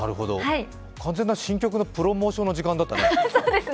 完全な新曲のプロモーションだったね。